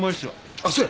あっそや。